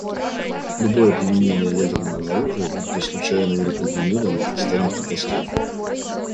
Любое применение ядерного оружия, будь-то случайное или преднамеренное, станет катастрофой.